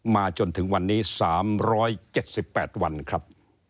จนถึงวันนี้๓๗๘วันครับ